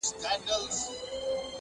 چي پر هره تړه ورسو زموږ برى دئ!.